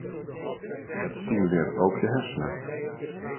Het stimuleert ook de hersenen.